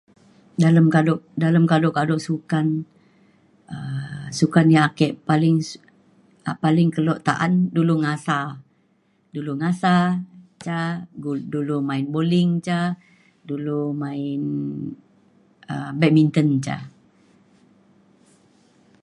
dalem kaduk dalem kaduk kaduk sukan um sukan ya' ake paling paling keluk ta'an dulu ngasa dulu ngasa ca dulu main bowling ca dulu main um badminton ca